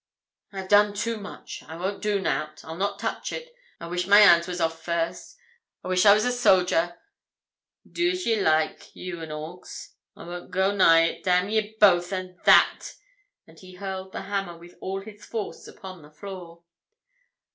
'I've done too much. I won't do nout; I'll not touch it. I wish my hand was off first; I wish I was a soger. Do as ye like, you an' Hawkes. I won't go nigh it; damn ye both and that!' and he hurled the hammer with all his force upon the floor.